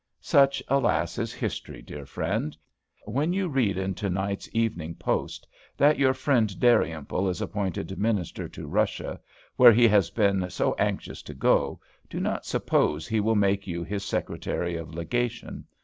Such, alas, is history, dear friend! When you read in to night's "Evening Post" that your friend Dalrymple is appointed Minister to Russia, where he has been so anxious to go, do not suppose he will make you his Secretary of Legation.